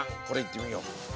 これいってみよう！